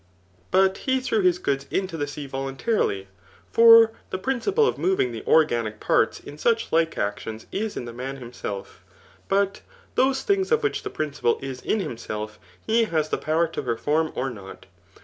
But he threw his goods into the jtea voluntarily ; for the principle of moving the oi*ganiq parts in such like actions is in the man himself, But (hose things of which the principle is in himself, he has fhe power to perform or not.